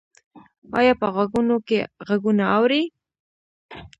ایا په غوږونو کې غږونه اورئ؟